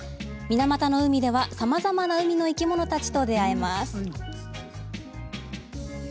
水俣の海では、さまざまな海の生き物たちと出会えます。